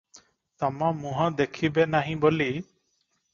ତମ ମୁହଁ ଦେଖିବେ ନାହିଁ ବୋଲି ।